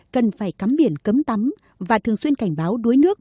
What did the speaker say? cần phải cắm biển cấm tắm và thường xuyên cảnh báo đuối nước